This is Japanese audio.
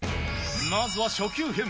まずは初級編。